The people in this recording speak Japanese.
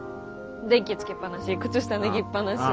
電気つけっぱなし靴下脱ぎっぱなし。